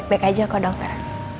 aku baik baik aja kok dokter